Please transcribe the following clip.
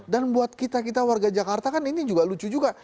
dan buat kita kita warga jakarta kan ini juga lucu juga